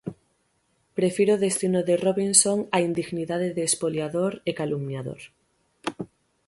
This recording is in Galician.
Prefiro o destino de Robinson á indignidade de espoliador e calumniador.